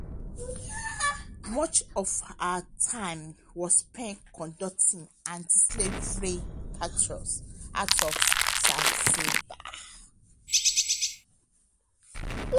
Much of her time was spent conducting anti-slavery patrols out of Zanzibar.